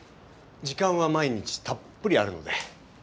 時間は毎日たっぷりあるので。